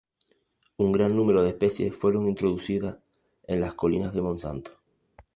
Un gran número de especies fueron introducidas en las colinas de Monsanto.